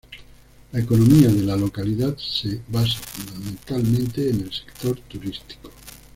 La economía de la localidad se basa fundamentalmente en el sector turístico.